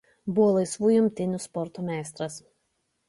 Buvo laisvųjų imtynių sporto meistras.